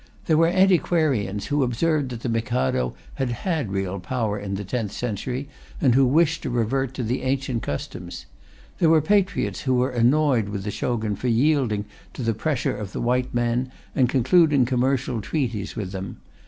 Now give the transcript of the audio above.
There were antiquarians who observed that the Mikado had had real power in the tenth century, and who wished to revert to the ancient customs. There were patriots who were annoyed with the Shogun for yielding to the pressure of the white men and concluding commercial treaties with them.